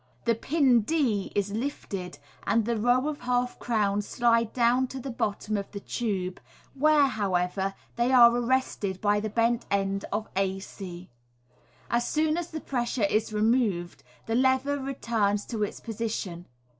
The pin d is lifted, and the row of half crowns slide down to the bottom of the tube, where, however, they are arrested by the bent end of ac. As soon as the pressure is removed, the level returns to its position.